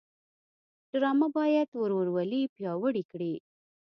ډرامه باید ورورولي پیاوړې کړي